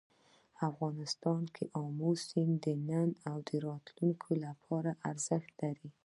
افغانستان کې آمو سیند د نن او راتلونکي لپاره ارزښت لري.